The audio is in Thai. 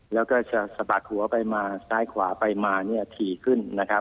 แล้วก็จะสะบัดหัวไปมาซ้ายขวาไปมาถี่ขึ้น